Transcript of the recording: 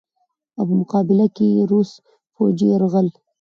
او په مقابله کښې ئې د روس فوجي يرغل